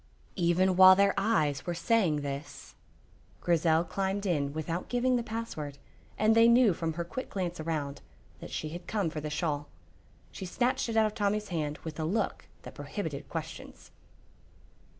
Even while their eyes were saying this, Grizel climbed in without giving the password, and they knew from her quick glance around that she had come for the shawl. She snatched it out of Tommy's hand with a look that prohibited questions.